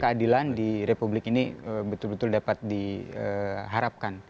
keadilan di republik ini betul betul dapat diharapkan